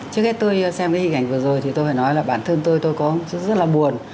trước hết tôi xem cái hình ảnh vừa rồi thì tôi phải nói là bản thân tôi tôi có rất là buồn